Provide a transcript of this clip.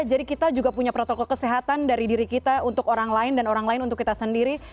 jadi kita juga punya protokol kesehatan dari diri kita untuk orang lain dan orang lain untuk kita sendiri